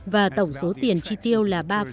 và tổng số tiền chi tiêu là